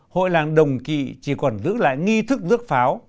hội làng đồng kỵ chỉ còn giữ lại nghi thức rước pháo